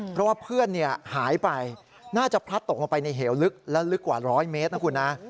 เพราะว่าเพื่อนหายไปน่าจะพลัดตกลงไปในเหวลึกและลึกกว่า๑๐๐เมตรนะคุณนะ